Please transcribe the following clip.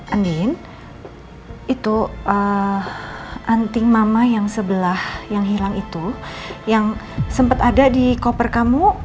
anin itu anting mama yang sebelah yang hilang itu yang sempat ada di koper kamu